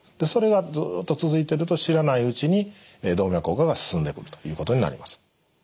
それがずっと続いていると知らないうちに動脈硬化が進んでくるということになります。